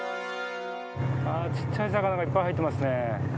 ちっちゃい魚がいっぱい入ってますね。